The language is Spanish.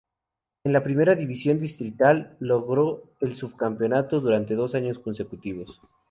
En la primera división distrital logro el subcampeonato durante dos años consecutivos.